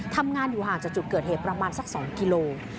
ทำงานอยู่ห่างจากจุดเกิดเหตุประมาณสัก๒กิโล